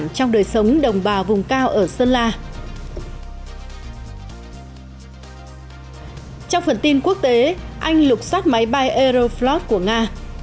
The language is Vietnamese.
trong phần tin quốc tế anh lục xót máy bay aeroflot của nga